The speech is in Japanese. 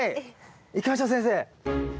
行きましょう先生。